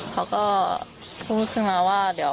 เขาก็พูดขึ้นมาว่าเดี๋ยว